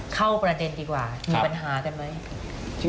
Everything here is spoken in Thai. เข้าประเด็นดีกว่ามีปัญหากันไหม